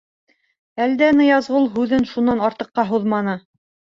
Әлдә Ныязғол һүҙен шунан артыҡҡа һуҙманы.